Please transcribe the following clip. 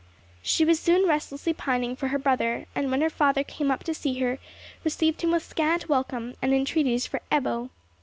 She was soon restlessly pining for her brother; and when her father came up to see her, received him with scant welcome, and entreaties for Ebbo.